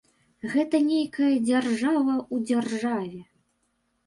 Гэта нейкая дзяржава ў дзяржаве.